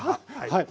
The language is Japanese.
はい。